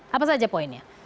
apa saja poinnya